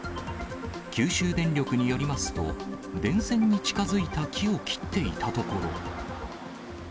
九州電力によりますと、電線に近づいた木を切っていたところ。